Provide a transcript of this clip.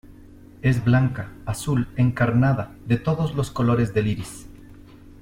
es blanca, azul , encarnada , de todos los colores del iris.